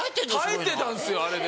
耐えてたんすよあれで。